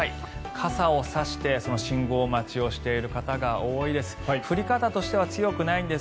傘を差して信号待ちをしている方が多いです。